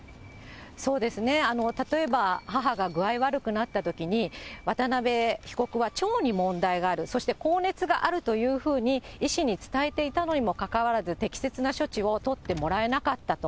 例えば、母が具合悪くなったときに、渡辺被告は腸に問題がある、そして高熱があるというふうに医師に伝えていたのにもかかわらず、適切な処置を取ってもらえなかったと。